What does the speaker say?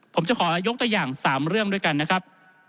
ผมจะขอยกตัวอย่าง๓เรื่องด้วยกันนะครับ